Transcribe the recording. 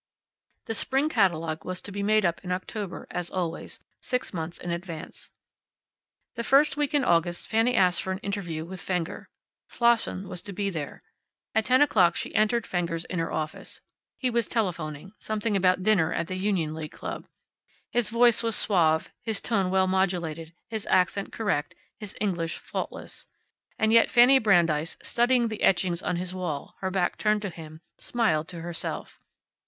The spring catalogue was to be made up in October, as always, six months in advance. The first week in August Fanny asked for an interview with Fenger. Slosson was to be there. At ten o'clock she entered Fenger's inner office. He was telephoning something about dinner at the Union League Club. His voice was suave, his tone well modulated, his accent correct, his English faultless. And yet Fanny Brandeis, studying the etchings on his wall, her back turned to him, smiled to herself.